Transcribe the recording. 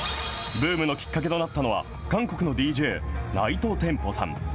ブームのきっかけとなったのは、韓国のＤＪ、ナイト・テンポさん。